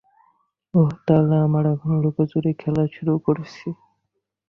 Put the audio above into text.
ওহ, তাহলে আমরা এখন লুকোচুরি খেলা শুরু করেছি!